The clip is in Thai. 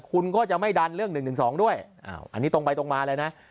คุณก็จะไม่ดันเรื่อง๑๑๒ด้วยอันนี้ตรงไปตรงมาเลยนะ